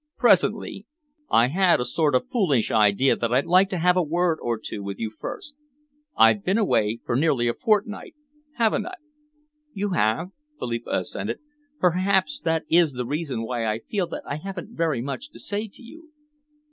"Presently. I had a sort of foolish idea that I'd like to have a word or two with you first. I've been away for nearly a fortnight, haven't I?" "You have," Philippa assented. "Perhaps that is the reason why I feel that I haven't very much to say to you."